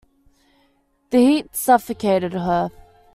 The heat suffocated her.